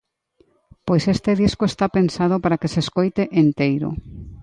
Pois este disco está pensado para que se escoite enteiro.